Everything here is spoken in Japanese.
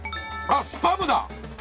スパムだ！